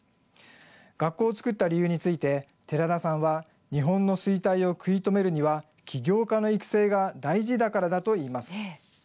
学校を作った理由について寺田さんは日本の衰退を食い止めるには起業家の育成が大事だからだと言います。